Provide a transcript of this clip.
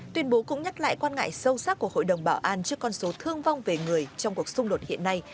tuyên bố cũng nhắc lại quan ngại sâu sắc của hội đồng bảo an trước con số thương vong về người trong cuộc xung đột hiện nay